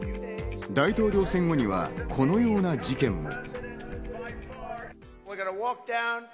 大統領選後にはこのような事件も。